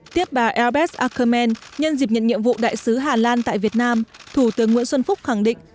tiếp bà eobes akhammen nhân dịp nhận nhiệm vụ đại sứ hà lan tại việt nam thủ tướng nguyễn xuân phúc khẳng định